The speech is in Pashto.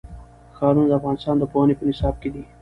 ښارونه د افغانستان د پوهنې په نصاب کې دي.